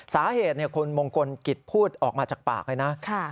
สาเหตุคุณมงคลกิจพูดออกมาจากปากเลยนะ